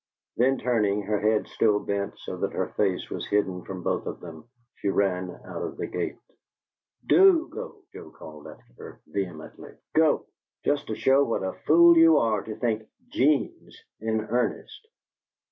Then turning, her head still bent so that her face was hidden from both of them, she ran out of the gate. "DO go!" Joe called after her, vehemently. "Go! Just to show what a fool you are to think 'Gene's in earnest."